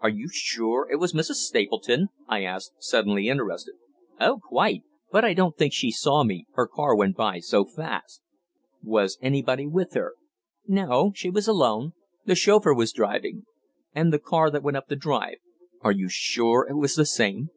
"Are you sure it was Mrs. Stapleton?" I asked, suddenly interested. "Oh, quite. But I don't think she saw me, her car went by so fast." "Was anybody with her?" "No, she was alone the chauffeur was driving." "And the car that went up the drive, are you sure it was the same?"